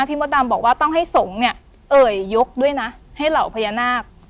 มดดำบอกว่าต้องให้สงฆ์เนี่ยเอ่ยยกด้วยนะให้เหล่าพญานาค